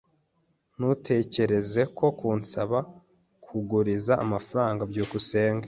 Ntutekereze no kunsaba kuguriza amafaranga. byukusenge